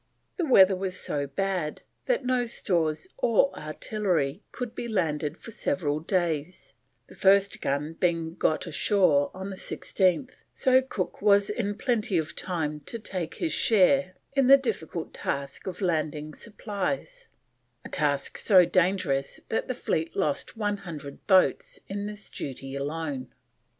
The weather was so bad that no stores or artillery could be landed for several days, the first gun being got ashore on the 16th, so Cook was in plenty of time to take his share in the difficult task of landing supplies; a task so dangerous that the fleet lost one hundred boats in this duty alone.